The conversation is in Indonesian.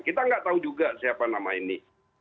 kita nggak tahu juga siapa nama ini